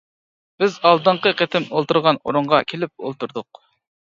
بىز ئالدىنقى قېتىم ئولتۇرغان ئورۇنغا كېلىپ ئولتۇردۇق.